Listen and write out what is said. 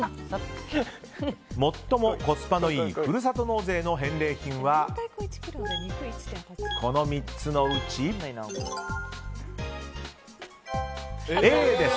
最もコスパのいいふるさと納税の返礼品はこの３つのうちＡです。